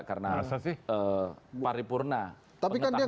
karena paripurna pengetahuan dan gaya